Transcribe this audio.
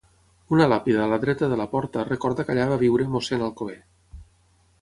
Una làpida a la dreta de la porta recorda que allà va viure Mossèn Alcover.